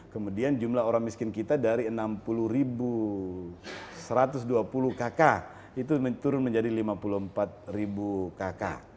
kemudian jumlah orang miskin kita dari enam puluh satu ratus dua puluh kakak itu turun menjadi lima puluh empat kakak